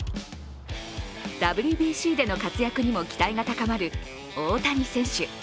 ＷＢＣでの活躍にも期待が高まる大谷選手。